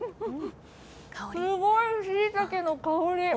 すごいしいたけの香り！